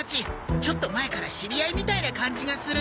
ちょっと前から知り合いみたいな感じがする。